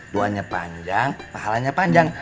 doanya panjang pahalanya panjang